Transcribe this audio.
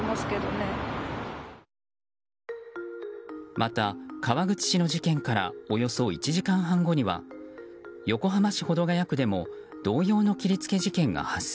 また、川口市の事件からおよそ１時間半後には横浜市保土ケ谷区でも同様の切りつけ事件が発生。